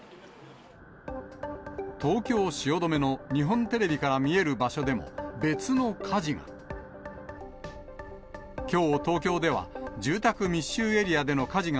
東京・汐留の日本テレビから見える場所でも別の火事が。